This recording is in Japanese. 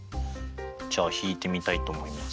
じゃあ引いてみたいと思います。